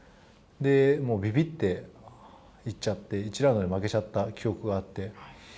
で、もうびびっていっちゃって１ラウンドで負けちゃった記憶があって。